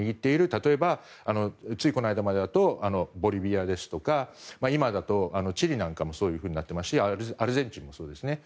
例えばついこの間までだとボリビアですとか今だとチリなんかもそうなっていますしアルゼンチンもそうですね。